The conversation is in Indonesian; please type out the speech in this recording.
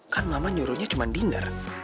kan mama nyuruhnya cuma dinner